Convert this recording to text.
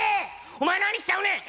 お前の兄貴ちゃうねん！